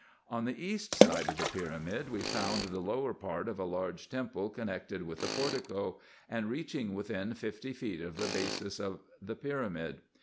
On the east side of the pyramid, we found the lower part of a large temple connected with the portico, and reaching within fifty feet of the basis of the pyramid.